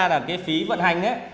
là cái phí vận hành